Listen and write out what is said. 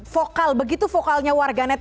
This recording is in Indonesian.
vokal begitu vokalnya warganet